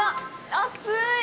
熱い。